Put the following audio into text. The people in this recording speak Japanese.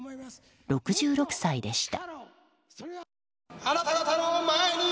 ６６歳でした。